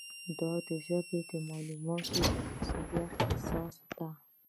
دا ژبه د معلوماتو د موثریت اساس ده.